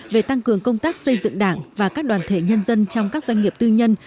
về tăng cường công tác xây dựng đảng và các đoàn thể nhân dân trong các doanh nghiệp tư nhân